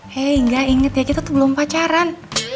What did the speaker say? hei nggak inget ya kita tuh belum pacaran